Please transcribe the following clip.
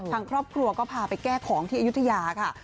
ทางครอบครัวก็พาไปแก้ของที่อายุทยาค่ะ